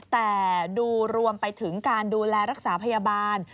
แต่ดูรวมไปถึงการดูแลรักษาพยาบาล